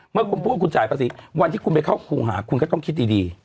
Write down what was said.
เมื่อคุณพูดว่าคุณจ่ายภาษีวันที่คุณไปเข้าครูหาคุณก็ต้องคิดดี